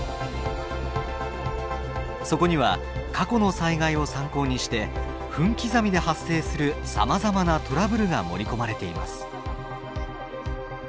そこには過去の災害を参考にして分刻みで発生するさまざまなトラブルが盛り込まれています。